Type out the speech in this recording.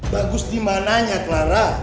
bagus dimananya clara